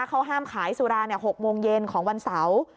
เขาห้ามขายสุรา๖โมงเย็นของวันเสาร์